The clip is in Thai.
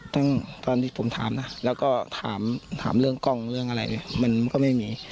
ตอนที่ผมถามนะแล้วก็ถามเรื่องกล้องเรื่องอะไรมันก็ไม่มี